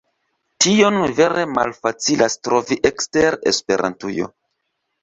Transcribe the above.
Tion vere malfacilas trovi ekster Esperantujo.